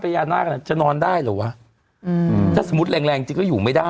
พญานาคจะนอนได้หรือว่ะว่าสมุดแรงเกิดอยู่ไม่ได้